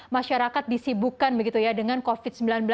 masyarakat disibukan begitu ya dengan covid sembilan belas